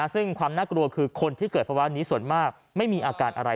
ซึ่งความน่ากลัวคือคนที่เกิดภาวะนี้ส่วนมากไม่มีอาการอะไร